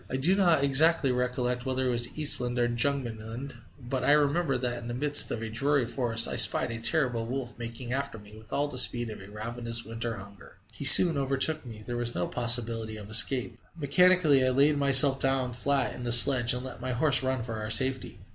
I do not exactly recollect whether it was Eastland or Jugemanland, but I remember that in the midst of a dreary forest I spied a terrible wolf making after me with all the speed of ravenous winter hunger. He soon overtook me; there was no possibility of escape. Mechanically I laid myself down flat in the sledge, and let my horse run for our safety.